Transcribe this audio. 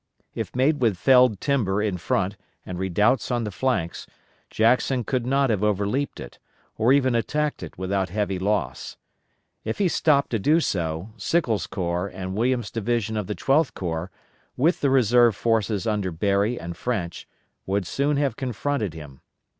If made with felled timber in front and redoubts on the flanks, Jackson could not have overleaped it, or even attacked it without heavy loss. If he stopped to do so, Sickles' corps and Williams' division of the Twelfth Corps, with the reserve forces under Berry and French, would soon have confronted him.